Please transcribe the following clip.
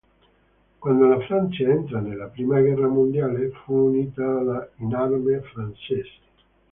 Quando la Francia entrò nella prima guerra mondiale, fu unita alla I Armee francese.